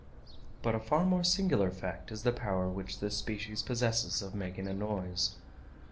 But a far more singular fact is the power which this species possesses of making a noise.